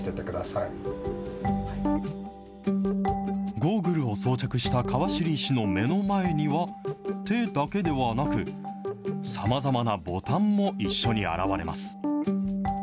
ゴーグルを装着した川尻医師の目の前には、手だけではなく、さまざまなボタンも一緒に現れます。